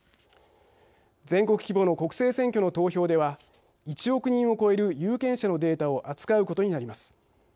全国規模の国政選挙の投票では１億人を超える有権者のデータを扱うことになります。